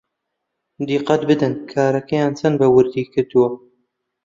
دیقەت بدەن کارەکەیان چەند بەوردی کردووە